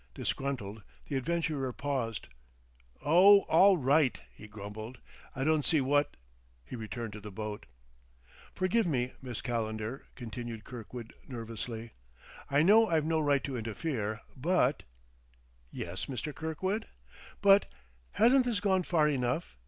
Disgruntled, the adventurer paused. "Oh all right," he grumbled. "I don't see what ..." He returned to the boat. "Forgive me, Miss Calendar," continued Kirkwood nervously. "I know I've no right to interfere, but " "Yes, Mr. Kirkwood?" " but hasn't this gone far enough?"